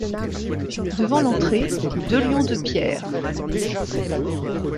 Devant l'entrée, deux lions de pierre.